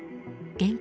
現金